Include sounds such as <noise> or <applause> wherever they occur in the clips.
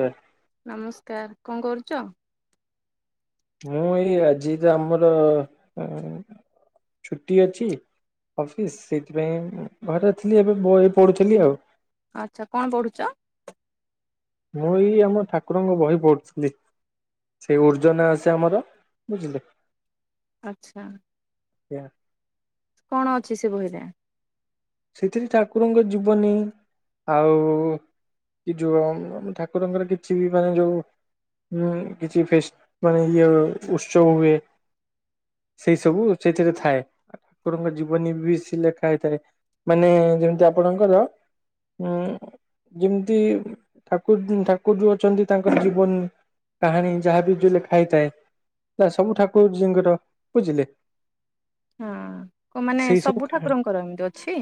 ପା ନମସ୍କାର କଣ କରୁଛ? ମୁଁ ଏଇ ଆଜି ଟା ଆମର ଛୁଟି ଅଛି। ଅଫିସ୍ ସେଇଥିପାଇଁ ଘରେଥିଲି ଏବେ ଏ ପଢୁଥିଲି ଆଉ। ଆଚ୍ଛା କଣ ପଢୁଛ? ମୁଁ ଏଇ ଆମ ଠାକୁରଙ୍କ ବହି ପଢୁଥିଲି। ସେଇ ଉର୍ଜନା ଆସେ ଆମର ବୁଝିଲେ। ଆଚ୍ଛା। ଆଜ୍ଞା। କଣ ଅଛି ସେ ବହିରେ? ସେଥିରେ ଠାକୁରଙ୍କ ଜୀବନୀ, ଆଉ କି ଯୋଉ ଆମ ଠାକୁରଙ୍କର କିଛି ବି ମାନେ ଯୋଉ ହୁଁ କିଛି ଫେସ୍ ମାନେ ଇଏ ଉତ୍ସବ ହୁଏ। ସେଇ ସବୁ ସେଇଥିରେ ଥାଏ, ଠାକୁରଙ୍କ ଜୀବନୀ ବେଶି ଲେଖା ହେଇଥାଏ। ମାନେ ଯେମିତି ଆପଣଙ୍କର ଉଁ ଯେମିତି ଠାକୁର ଦୀନ ଠାକୁର ଯୋଉ ଅଛନ୍ତି ତାଙ୍କର ଜୀବନ କାହାଣୀ ଯାହାବି ଯୋଉ ଲେଖା ହେଇଥାଏ। ନା ସବୁ ଠାକୁରଜୀଙ୍କର ବୁଝିଲେ? ହଁ, କ ମାନେ ସେଇ ସବୁ କାହାଣୀ ଠାକୁରଙ୍କର ଏମିତି ଅଛି?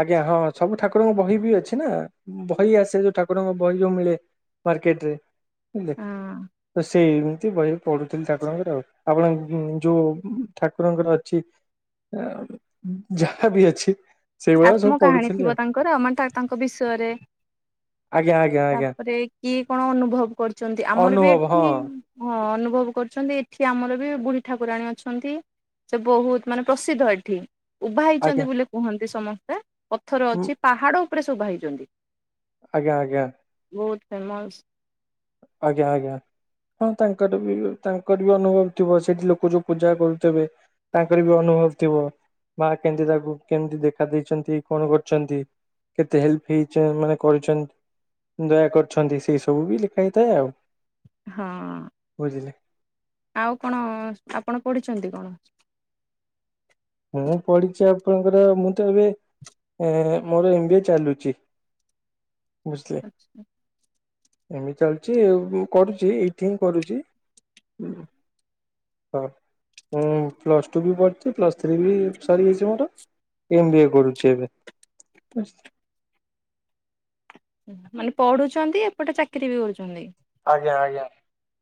ଆଜ୍ଞା, ହଁ ସବୁ ଠାକୁରଙ୍କ ବହି ବି ଅଛି ନା, ବହି ଆସେ ଯୋଉ ଠାକୁରଙ୍କ ବହି ଯୋଉ ମିଳେ। ମାର୍କେଟ ରେ, ହଁ ତ ସେଇ ଏମିତି ବହି ପଢୁଥିଲି ଠାକୁରଙ୍କର ଆପଣ ଯୋଉ ଠାକୁରଙ୍କର ଅଛି ଯାହା ବି ଅଛି ସେଇଭଳିଆ ସବୁ ଆତ୍ମ କାହାଣୀ ପଢୁଥିଲି ଆଉ ଥିବ ତାଙ୍କର, ମାନେ ତା ତାଙ୍କ ବିଷୟରେ ଆଜ୍ଞ, ଆଜ୍ଞା। ଆଜ୍ଞା ତାପରେ କିଏ କଣ ଅନୁଭବ କରୁଛନ୍ତି, ଆମର ବି ଅନୁଭବ ହଁ ଏଠି ହଁ ଅନୁଭବ କରୁଛନ୍ତି, ଏଠି ଆମର ବି ବୁଢ଼ୀ ଠାକୁରାଣୀ ଅଛନ୍ତି। ସେ ବହୁତ ମାନେ ପ୍ରସିଦ୍ଧ ଏଠି। ଉଭା ଆଜ୍ଞା ହେଇଛନ୍ତି ବୋଲି କୁହନ୍ତି ସମସ୍ତେ, ପଥର ଅଛି ପାହାଡ ଉପରେ ଶୋଭା ହେଇଛନ୍ତି। ଆଜ୍ଞା, ଆଜ୍ଞା। ବହୁତ ଫେମସ୍ ଆଜ୍ଞା, ଆଜ୍ଞା। ହଁ ତାଙ୍କର ବି ତାଙ୍କର ବି ଅନୁଭବ ଥିବ, ସେଇଠି ଲୋକ ଯୋଉ ପୂଜା କରୁଥିବେ। ତାଙ୍କର ବି ଅନୁଭବ ଥିବ, ମା କେମିତି ତାକୁ କେମିତି ଦେଖା ଦେଇଛନ୍ତି କଣ କରିଛନ୍ତି। କେତେ ହେଲ୍ପ ହେଇ ଚ ମାନେ କରିଚନ୍ ଦୟା କରୁଛନ୍ତି ସେଇ ସବୁ ବି ହେଇଥାଏ ଆଉ। ହଁ। ବୁଝିଲେ? ଆଉ କଣ ଆପଣ ପଢିଛନ୍ତି କଣ? ମୁଁ ପଢିଛି ଆପଣଙ୍କର, ମୁଁ ତ ଏବେ ଏ ମୋର ଏମ ବି ଏ ଚାଲୁଛି, ବୁଝିଲେ? ଆଚ୍ଛା ଏମିତି ଚାଲିଛି କରୁଛି, ଏଇଠି ହିଁ କରୁଛି। ହଁ, ହୁଁ ପ୍ଲସ୍ ଟୁ ବି ପଢୁଛି, ପ୍ଲସ୍ ଥ୍ରୀବି ସରିଯାଇଛି ମୋର, ଏମ୍ ବିଏ କରୁଛି ଏବେ। ମାନେ ପଢୁଛନ୍ତି, ଏପଟେ ଚାକିରି ବି କରୁଛନ୍ତି। ଆଜ୍ଞା ଆଜ୍ଞା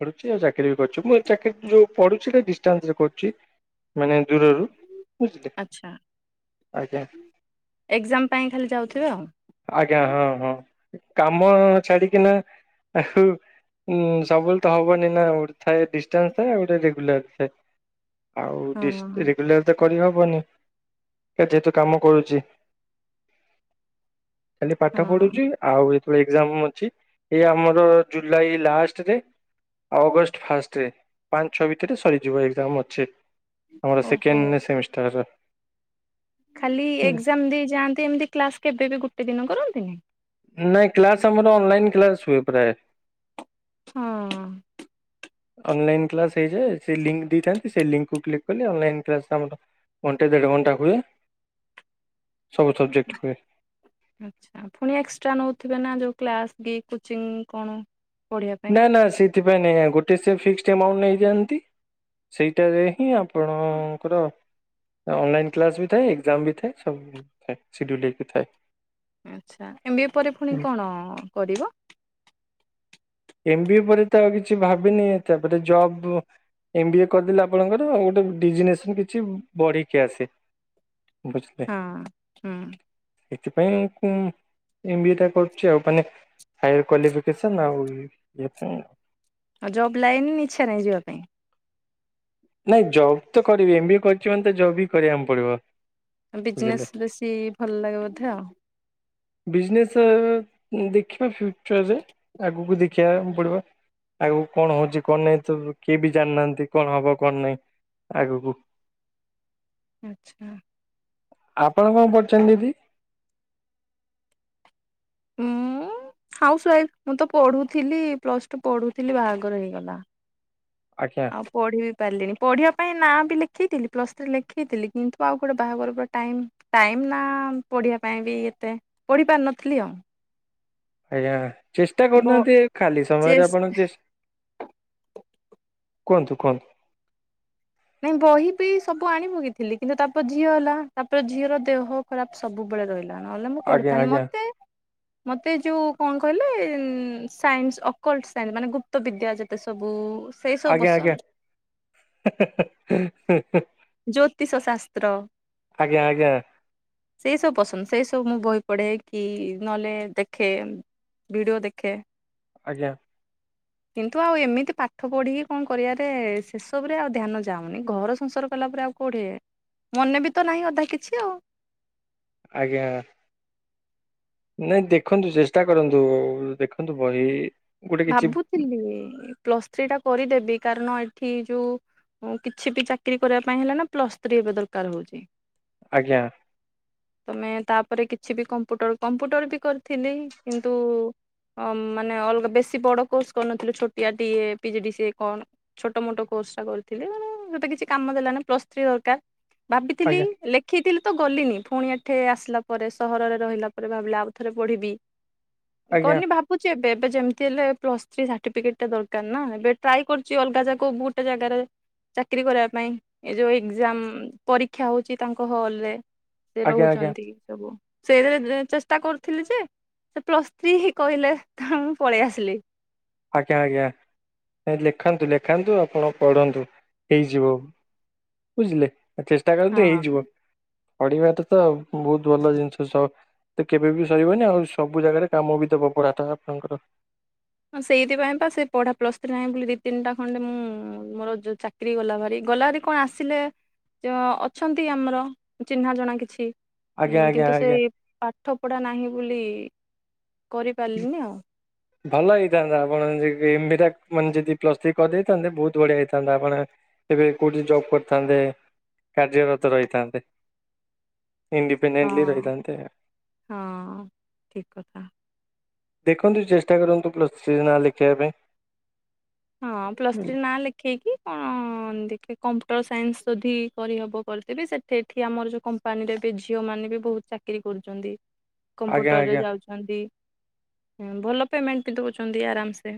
ପଢ଼ୁଚି ଆଉ ଚାକିରି ବି କରୁଛି, ମୁଁ ଏ ଚାକିର ଯୋଉ ପଢ଼ୁଚି ହେଟା ଡିଷ୍ଟାନ୍ସ ରେ କରୁଛି। ମାନେ ଦୂରରୁ। ବୁଝିଲେ ଆଚ୍ଛା, ଆଜ୍ଞା ଏକ୍ଜାମ ପାଇଁ ଖାଲି ଯାଉଥିବେ ଆଉ। ଆଜ୍ଞା ହଁ ହଁ, କାମ ଛାଡିକିନା ଆଉ ଉଁ ସବୁବେଳେ ତ ହବନି ନା ଗୋଟେ ଥାଏ ଡିଷ୍ଟାନ୍ସ ଥାଏ ଗୋଟେ ରେଗୁଲାର ଥାଏ। ଆଉ ହଁ ଡ଼ିସ୍ ରେଗୁଲାର ତ କରିହବନି, ଯେହେତୁ କାମ କରୁଛି। ଖାଲି ପାଠ ହଁ ପଢୁଚି ଆଉ ଯେତେବେଳେ ଏକ୍ଜାମ ଅଛି ଏ ଆମର ଜୁଲାଇ ଲାଷ୍ଟରେ ଆଉ ଅଗଷ୍ଟ ଫାଷ୍ଟରେ ପାଞ୍ଚ ଛଅ ଭିତରେ ସରିଯିବ ଏକ୍ଜାମ ଅଛି। ଆମର ଓହୋ। Second semester. ଖାଲି ଏକ୍ଜାମ ଦେଇ ଯାଆନ୍ତି ଏମିତି କ୍ଲାସ କେବେ ବି ଗୋଟେ ଦିନ କରନ୍ତିନି? ନାହିଁ କ୍ଲାସ୍ ଆମର ଅନଲାଇନ୍ କ୍ଲାସ୍ ହୁଏ ପ୍ରାୟ। ହଁ। ଅନଲାଇନ୍ କ୍ଲାସ ହେଇଯାଏ ସେ ଲିଙ୍କ୍ ଦେଇଥାନ୍ତି ସେ ଲିଙ୍କ୍ କୁ କ୍ଳିକ୍ କଲେ ଅନଲାଇ କ୍ଲାସ ଆମର ଘଣ୍ଟେ ଦେଢଘଣ୍ଟା ହୁଏ ସବୁ ସବଜେକ୍ଟ ହୁଏ। ଆଚ୍ଛା ଫୁଣି ଏକ୍ସଟ୍ରା ନେଉଥିବେ ନା ଯେଉଁ କ୍ଲାସ୍ କି କୋଚିଂ କଣ। ପଢିବା ପାଇଁ ନା ନା ସେଥିପାଇଁ ନାଇଁ ଆ ଗୋଟେ ସେ ଫିକ୍ସଡ୍ ଏମାଉଣ୍ଟ ନେଇଯାଆନ୍ତି ସେଇଟାରେ ହିଁ ଆପ୍ ପଣଙ୍କର ଅନଲାଇନ୍ କ୍ଲାସ ବି ଥାଏ ଏକ୍ଜାମ ବି ଥାଏ ସବୁ ଥାଏ ସିଡୁଲ ଟାଇପ୍ ର ଥାଏ। ଆଚ୍ଛା ଏମ୍ ବି ଏ ପରେ ଫୁଣି କଣ କରିବ? ଏମ ବି ପରେ ତ ଆଉ କିଛି ଭାବିନି ତାପରେ ଜବ୍ ଏମ୍ ବି ଏ କରିଦେଲେ ଆପଣଙ୍କର ଗୋଟେ ଡିଜିନେସନ କିଛି ବଢିକି ଆସେ। ବୁଝଲେ? ହଁ ହୁଁ ଏଥିପାଇଁ କୁଁ ଏମ ବି ଏ ଟା କରୁଚି ଆଉ ମାନେ ହାୟର କ୍ଵାଲିଫିକେସନ୍ ଆଉ ଜବ୍ ପାଇଁ ଆଉ। ଆ ଜବ୍ ଲାଇନ ଇଚ୍ଛା ନାଇଁ ଯିବାପାଇଁ? ନାଇଁ ଜବ୍ ତ କରିବି ଏମ୍ ବିଏ କରିଚି ମାନେ ତ ଜବ୍ ବିି କରିଆମ୍ ପଡିବ। ଆଁ ବୁଝିଲେ ବିଜନେସ୍ ବେଶୀ ଭଲଲାଗେ ବୋଧେ ଆଉ। ବିଜନେସ୍ ଆ-ଦେଖିବା ଫ୍ୟୁଚରରେ ଆଗୁକୁ ଦେଖିବା ପାଇଁ ପଡିବ। ଆଗୁକୁ କଣ ହଉଚି କଣ ନାଇଁ ତ କିଏ ବି ଜାଣିନାହାନ୍ତି କଣ ହବ କଣ ନାଇଁ। ଆଗୁକୁ। ଆଚ୍ଛା। ଆପଣ କଣ କରୁଚନ୍ତି ଦିଦି? ମୁଁ ହାଉସ୍ ୱାଇଫ୍। ମୁଁ ତ ପଢୁଥିଲି ପ୍ଲସଟୁ ପଢୁଥିଲି ବାହାଘର ହେଇଗଲା। ଆଜ୍ଞା। ପଢିବି ପାରିଲିନି ପଢିବା ପାଇଁ ନାଁ ବି ଲେଖେଇଥିଲି ପ୍ଲସ୍ ଥ୍ରୀ ଲେଖେଇଥିଲି କିନ୍ତୁ ଆଉ ଗୋଟେ ବାହାଘର ପରେ ଟାଇମ୍ ଟାଇମ୍ ନା ପଢିବା ପାଇଁ ବି ଏତେ ପଢି ପାରିନଥିଲି ଆଉ। ଆଜ୍ଞା ଚେଷ୍ଟା ବ କରୁନାହାନ୍ତି ଖାଲି ସମୟରେ ଚେସ୍ ଆପଣ ଚେଷ୍ କୁହନ୍ତୁ କୁହନ୍ତୁ? ନାଇଁ ବହି ବି ସବୁ ଆଣିପକେଇଥିଲି କିନ୍ତୁ ତାପରେ ଝିଅ ହେଲା ତାପରେ ଝିଅର ଦେହ ଖରାପ ସବୁବେଳେ ରହିଲା। ତା ନହେଲେ ମୁଁ ଆଜ୍ଞା ପଢିଥାନ୍ତି ଆଜ୍ଞା ମତେ ମତେ ଯୋଉ କଣ କହିଲେ ସାଇନ୍ସ ଅକଲଟ ସାଇନ୍ସ ମାନେ ଗୁପ୍ତ ବିଦ୍ୟା ଯେତେ ସବୁ ସେଇ ସବୁ ଆଜ୍ଞା ଆଜ୍ଞା ପସନ୍ଦ ହେଁ ହେଁ ହେଁ ହେଁ ହେଁ। ଜ୍ୟୋତିଷ ଶାସ୍ତ୍ର ଆଜ୍ଞା ଆଜ୍ଞା। ସେଇସବୁ ପସନ୍ଦ ସେଇସବୁ ମୁଁ ବହି ପଢେ କି ନହେଲେ ଦେଖେ। ଭିଡୁଓ ଦେଖେ। ଆଜ୍ଞା। <inaudible> କିନ୍ତୁ ଆଉ ଏମିତି ପାଠ ପଢିକି କଣ କରିଆରେ ସେସବୁ ରେ ଆଉ ଧ୍ୟାନ ଯାଉନି ଘର ସଂସାର କଲା ପରେ ଆଉ କୋଉଠେ ମନେ ବି ତ ନାହିଁ ଅଧା କିଛି ଆଉ। ଆଜ୍ଞା। ନାଇଁ ଦେଖନ୍ତୁ ଚେଷ୍ଟା କରନ୍ତୁ ଦେଖନ୍ତୁ ବହି ଗୋଟେ କିଛି ଭାବୁଥିଲି ପ୍ଲସ୍ ଥ୍ରୀ ଟା କରିଦେବି କାରଣ ଏଠି ଯୋଉ ଉଁ କିଛି ବି ଚାକିରି କରିବା ପାଇଁ ହେଲେ ନା ପ୍ଲସ୍ ଥ୍ରୀ ଏବେ ଦରକାର ହଉଚି। ଆଜ୍ଞା। ତମେ ତାପରେ କିଛିବି କମ୍ପୁଟର କମ୍ପୁଟର ବି କରିଥିଲି କିନ୍ତୁ ଅ ମାନେ ଅଲଗା ବେଶୀ ବଡ କୋର୍ସ କରିନଥିଲୁ ଛୋଟିଆ ଟିଏ ପିଜିଡିସିଏ କଣ ଛୋଟ ମୋଟ କୋର୍ସ ଟା କରିଥିଲି ଯୋଉଟା କିଛି କାମ ଦେଲାନି ପ୍ଲସ୍ ଥ୍ରୀ ଦରକାର। ଭାବିଥିଲି ଆଜ୍ଞା ଲେ ଖିଥିଲି ତ ଗଲିନି ପୁଣି ଏଠେ ଆସିଲା ପରେ ସହରରେ ରହିଲା ପରେ ଭାବିଲ ଆଉ ଥରେ ପଢ଼ିବି। ଆଜ୍ଞା କନି ଭାବୁଚି ଏବେ ଏବେ ଯେମତି ତି ହେଲେ ପ୍ଲସ ଥ୍ରୀ ସାଠିପିକେଟା ଦରକାର ନା ଏବେ ଟ୍ରାଏ କରଛି ଅଲଗା ଜାଗ ଗୋଟେ ଜାଗାରେ। ଚାକିରୀ କରିବା ପାଇଁ ଏ ଯୋଉ ଏକ୍ଜାମ ପରୀକ୍ଷା ହୋଉଚି ତାଙ୍କ ହଲରେ ସେ ଆଜ୍ଞା ଆଜ୍ଞା ରୋହୁଛନ୍ତି। ସବୁ ସେହେ ଚେଷ୍ଟା କରୁଥିଲି ଯେ ସେ ପ୍ଲସ୍ ଥ୍ରୀ ହି କହିଲେ ତା ମୁ ପଳେଇ ଆସିଲି। ଆଜ୍ଞା ଆଜ୍ଞା ଏ ଲେଖାନ୍ତୁ ଲେଖାନ୍ତୁ ଆପଣ ପଢ଼ନ୍ତୁ ହେଇଯିବ। ବୁଝିଲେ ଏ ଚେଷ୍ଟା କରନ୍ତୁ ହେଇଯିବ। ହଁ। ପଢ଼ିବା ଟା ତ ବୋହୁତ ଭଲ ଜିନିଷ ସ ତ କେବେ ବି ସରିବନି ଆଉ ସବୁ ଜାଗାରେ କାମ ବି ଦବ ପଢ଼ାଟା ଆପଣଙ୍କର। ହଁ ସେଇଥିପାଇଁ ବା ସେ ପଢ଼ା ପ୍ଲ ଥ୍ରୀ ନାହିଁ ବୋଲି ଦି ତିନିଟା ଖଣ୍ଡେ ମୁଁ ମୋର ଯୋଉ ଚା କିରି ଗଲା ଭାରି ଗଲା ହେରି କଣ ଆସିଲେ ଅଛନ୍ତି ଆମର ଚିହ୍ନା ଜଣା କିଛି। ଆଜ୍ଞା ଉଁ ଆଜ୍ଞା କିନ୍ତୁ ଆଜ୍ଞା ସେଇ ପାଠ ପଢ଼ା ନାହିଁ ବୋଲି କରିପାରିଲିନି ଆଉ। <inaudible> ଭଲ ହେଇଥାନ୍ତା ଆପଣ ଏମିତିକି ଏମ ବି ଟା ମାନେ ଯଦି ପ୍ଲସ ଥ୍ରୀ କରିଦେଇଥାନ୍ତେ ବୋହୁତ ବଢ଼ିଆ ହେଇଥାନ୍ତା ଆପଣ ଏବେ କୋଉଠି ଜବ କରିଥାନ୍ତେ କାର୍ଯ୍ୟରତ ରହିଥାନ୍ତେ। ଇଣ୍ଡିପେଣ୍ଡେଟଲି ହଁ। ରହିଥାନ୍ତେ। ହଁ ଠିକ କଥା। ଦେଖନ୍ତୁ ଚେଷ୍ଟା କରନ୍ତୁ ପ୍ଲସ ଥ୍ରୀ ରେ ନାଁ ଲେଖେଇବା ପାଇଁ। ହଁ ପ୍ଲସ୍ ଥ୍ରୀ ବୁଝିଲେ ନାଁ ଲେଖେଇକି କଣ କନ ଦେଖୀ କମ୍ପ୍ୟୁଟର ସାଇନ୍ସ ଯଦି କରିହବ କରିଦେବି ସେ ଏଠି ଆମର ଯୋଉ କମ୍ପାନୀରେ ବି ଝିଅ ମାନେ ବି ବୋହୁ ଚାକିରୀ କରୁଛନ୍ତି। ଆଜ୍ଞା କମ୍ପୁଟରରେ ଆଜ୍ଞା ଯାଉଛନ୍ତି ଭଲ ପେମେଣ୍ଟ ବି ଦଉଚନ୍ତି ଆରାମ ସେ।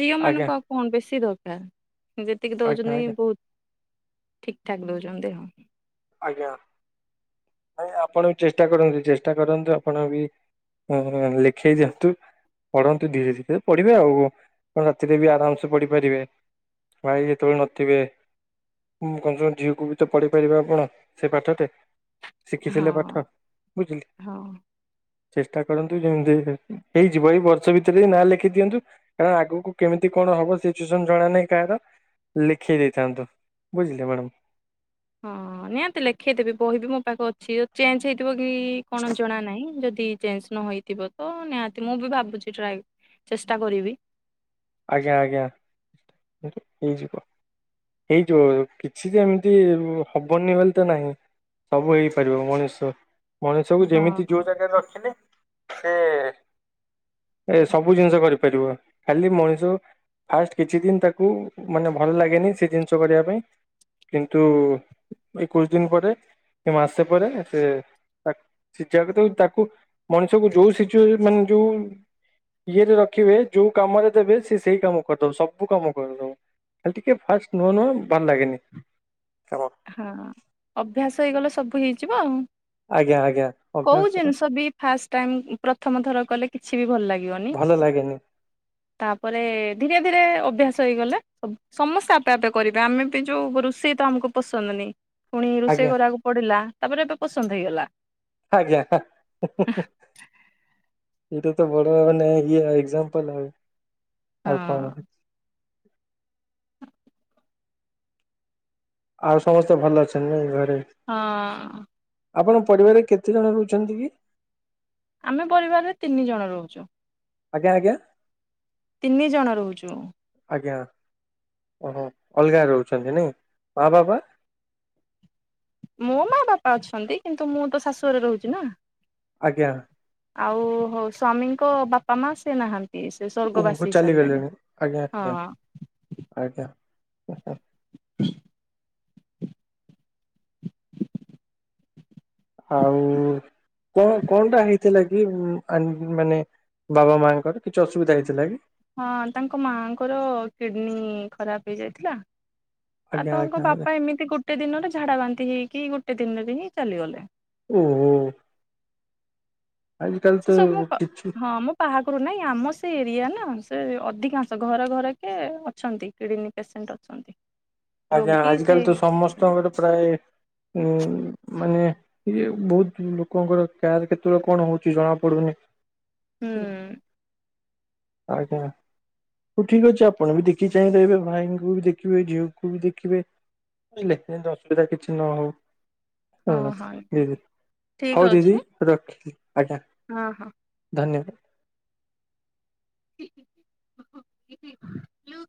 ଝିଅ ଆଜ୍ଞା ମାନଙ୍କୁ ଆଉ କଣ ବେଶୀ ଦରକାର ଯେତିକି ଆଜ୍ଞା ଦଉଛନ୍ତି ଆଜ୍ଞା ବହୁତ। ଠିକ ଠାକ ଦୋଉଚନ୍ତି। ଆଜ୍ଞା ନାଇଁ ଆପଣ ବି ଚେଷ୍ଟା କରନ୍ତୁ ଚେଷ୍ଟା କରନ୍ତୁ ଆପଣ ବି <unintelligible> ଲେଖେଇ ଦିଅନ୍ତୁ। ପଢ଼ନ୍ତୁ ଧୀରେ ଧୀରେ ପଢ଼ିବେ ଆଉ ପଣ ରାତିରେ ବି ଆରାମ ସେ ପଢ଼ିପାରିବେ। ଭାଇ ଯେତେବେଳେ ନଥିବେ ଉଁ କ ତମ ଝିଅକୁ ବି ତ ପଢ଼େଇ ପାରିବେ ଆପଣ। ସେ ପାଠଟେ ଶିଖିଥିଲେ ହଁ ପାଠ ବୁଝିଲି। ହଁ। ଚେଷ୍ଟା କରନ୍ତୁ ଯେମିତି ହେ ହେଇଯିବ ଏଇ ବର୍ଷ ଭିତରେ ନାଁ ଲେଖେ ଦିଅନ୍ତୁ। କାରଣ ଆଗକୁ କେମିତି କଣ ହବ ସିଚୁସନ ଜଣା ନାହିଁ କାହାର। ଲେଖେଇ ଦେଇଥାନ୍ତୁ ବୁଝିଲେ ମ୍ୟାଡ଼ାମ। ହଁ ନିହାତି ଲେଖେଇ ଦେବି ବହି ବିି ମୋ ପାଖ ଅଛି ଯଦି ଚେଞ୍ଜ ହେ ଥିବ କି କଣ ଜଣା ନାହିଁ ଯଦି ଚେଞ୍ଜ ନ ହେଇଥିବ ତ ନିହାତି ମୁଁ ବି ଭାବୁଛି ଟ୍ରାଏ ଚେଷ୍ଟା କରିବି। ଆଜ୍ଞା ଆଜ୍ଞା ହେଇଯିବ। ହେଇଯିବ କିଛି ଯେମିତି ହବନି ବୋଲି ତ ନାହିଁ। ସବୁ ହେଇପାରିବ ମଣିଷ ମଣିଷକୁ ଯେମିତି ଯୋଉ ହଁ। ଜାଗାରେ ରଖିନେ ସେ ଏ ସବୁ ଜିନିଷ କରିପାରିବ ଖାଲି ମଣି ଯୋ ଫାଷ୍ଟ କିଛି ଦିନି ତାକୁ ମାନେ ଭଲ ଲାଗେନି ସେ ଜିନିଷ କରିବା ପାଇଁ। କିନ୍ତୁ ଏକୋଇଶ ଦିନ ପରେ କି ମାସେ ପରେ ସେ ତା ସିକିବା ତାକୁ ମଣିଷକୁ ଯୋଉ ସିଚୁ ମାନେ ଯୋଉ ଇଏରେ ରଖିବେ ଯୋଉ କାମରେ ଦେବେ ସେ ସେଇ କାମ କରିଦବ ସବୁ କାମ କରିଦବ ଖାଲି ଟିକେ ଫାଷ୍ଟ ନୁଆ ନୁଆ ଭଲ ଲାଗେନି। କାମ। ହଁ ଅଭ୍ୟାସ ହେଇଗଲା ସବୁ ହେଇଯିବ ଆଉ ଆଜ୍ଞା ଆଜ୍ଞା କୋଉ ଅଭ୍ୟାସ ଜିନିଷ ବି ଫାଷ୍ଟ ଟାଇମ୍ ପ୍ରଥମ ଥର କଲେ କିଛି ବି ଭଲ ଲାଗିବନି। ଭଲ ଲାଗେନି ତାପରେ ଧୀରେ ଧୀରେ ଅଭ୍ୟାସ ହେଇଗଲେ ସମସ୍ତେ ଆପେ ଆପେ କରିବେ ଆମେ ବି ଯୋଉ ରୋଷେଇ ତ ଆମକୁ ପସନ୍ଦନି ପୁଣି ରୋଷେଇ ଆଜ୍ଞା କରିବାକୁ ପଡିଲା ତାପରେ ଏବେ ପସନ୍ଦ ହେଇଗଲା। ଆଜ୍ଞା। ଏଇଟା ତ ବଡ ମାନେ ଇଏ ଏଗଯାମ୍ପଲୁ ଆ ହଁ ଆଉ କଣ। ଆଉ ସମସ୍ତେ ଭଲ ଅଛନ୍ତି ନାଇ ଘରେ? ହଁ। ଆପଣ ପରିବାରରେ କେତେ ଜଣ ରହୁଛନ୍ତି କି? ଆମେ ପରିବାରରେ ତିନି ଜଣ ରହୁଛୁ। ଆଜ୍ଞା ଆଜ୍ଞା। ତିନି ଜଣ ରହୁଛୁ। ଆଜ୍ଞା ଓହୋ ଅଲଗା ରହୁଛନ୍ତି ନାଇ, ମା ବାବା? ମୋ ମା ବାପା ଅଛନ୍ତି କିନ୍ତୁ ମୁଁ ତ ଶାଶୁ ଘରେ ରହୁଛି ନା। ଆଜ୍ଞା। ଆଉ ହଉ ସ୍ୱାମୀଙ୍କ ବାପା ମା ସେ ନାହା ଏଇ ସେ ସ୍ଵର୍ଗ ଓହୋ ବାସି ହେଇ ସାରିଲେଣି ଚାଲିଗଲେଣି ଆଜ୍ଞା ଆଜ୍ଞା ହଁ। ଆଜ୍ଞା ହଁ ହଁ। ଆଉ କଣ କଣ ଟା ହେଇଥିଲା କି ମାନେ ବାବା ମାଙ୍କର କିଛି ଅସୁବିଧା ହେଇଥିଲା କି? ହଁ ତାଙ୍କ ମାଆଙ୍କର କିଡ଼ନୀ ଖରାପ ହେଇଯାଇଥିଲା। ଆଉ ଆଜ୍ଞା ତାଙ୍କ ଆଜ୍ଞା ଆଜ୍ଞା ବାପା ଏମିତି ଗୋଟେ ଦିନରେ ଝାଡା ବାନ୍ତି ହେଇକି ଗୋଟେ ଦିନରେ ହିଁ ଚାଲିଗଲେ। ଉଁ। ଉଁ। ସେ ସବୁ କିଛି ହଁ ମୁଁ ବାହାଘରୁ ନାଇଁ ଆମ ସେ ଏରିଆ ନା ସେ ଅଧିକାଂଶ ଘରେ ଘରକ ଅଛନ୍ତି କିଡ଼ନୀ ପେସେଣ୍ଟ ଅ ଛନ୍ତି। ଆଜ୍ଞା ଆଜିକାଲି ତ ସମସ୍ତଙ୍କର ପ୍ରାୟ ମାନେ ଇ ବହୁତ ଲୋକଙ୍କର କାର କେତେବେଳେ କଣ ହଉଛି ଜଣା ପଡୁନି। ହୁଁ <unintelligible> ଆଜ୍ଞା ହଉ ଠିକ୍ ଅଛି ଆପଣ ବି ଦେଖିକି ଚାହିଁ ରହିବେ ଭାଇଙ୍କୁ ବି ଦେଖିବେ ଏଇ ଝିଅ ବି ଦେଖିବେ ଲେ ଯେତି ଅସୁବିଧା କିଛି ନ ହଉ। ହଁ ଦିଦି ଠିକ ହଉ ଦିଦି ଅଛି ରଖିଲି ଆଜ୍ଞା। ହଁ ହଁ। ଧନ୍ୟବାଦ। ହା ଲୋ